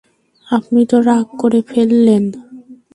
আপনি তো রাগ করে ফেললেন।